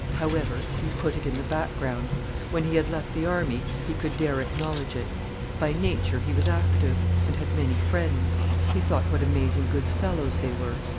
However, he put it in the background. When he had left the Army he could dare acknowledge it. By nature he was active, and had many friends. He thought what amazing good fellows they were.